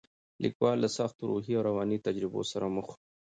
لیکوال له سختو روحي او رواني تجربو سره مخ و.